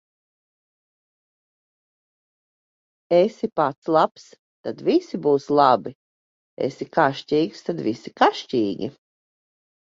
Esi pats labs, tad visi būs labi; esi kašķīgs, tad visi kašķīgi.